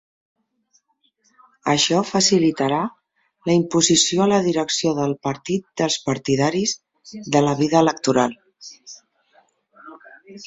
Això facilitarà la imposició a la direcció del partit dels partidaris de la via electoral.